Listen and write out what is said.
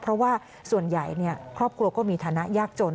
เพราะว่าส่วนใหญ่ครอบครัวก็มีฐานะยากจน